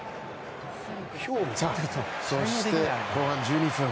そして、後半１２分。